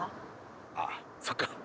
ああそっか。